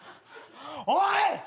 おい！